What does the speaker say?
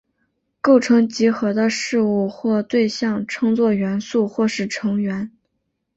构成集合的事物或对象称作元素或是成员。